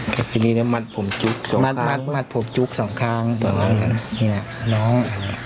แล้วทีนี้แล้วมัดผมจุกสองข้าง